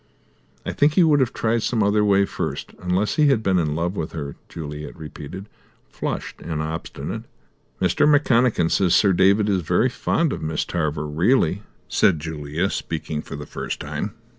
"I think he would have tried some other way first, unless he had been in love with her," Juliet repeated, flushed and obstinate. "Mr. McConachan says Sir David is very fond of Miss Tarver, really," said Julia, speaking for the first time.